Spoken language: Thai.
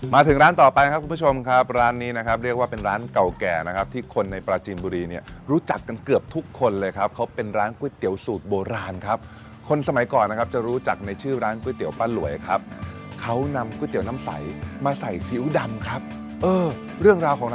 มาถึงร้านต่อไปครับคุณผู้ชมครับร้านนี้นะครับเรียกว่าเป็นร้านเก่าแก่นะครับที่คนในปราจีนบุรีเนี่ยรู้จักกันเกือบทุกคนเลยครับเขาเป็นร้านก๋วยเตี๋ยวสูตรโบราณครับคนสมัยก่อนนะครับจะรู้จักในชื่อร้านก๋วยเตี๋ยป้าหลวยครับเขานำก๋วยเตี๋ยวน้ำใสมาใส่ซิ้วดำครับเออเรื่องราวของ